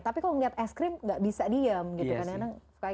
tapi kalau ngeliat es krim gak bisa diem gitu kan